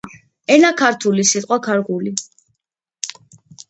ენა ქართული სიტყვაქარგული.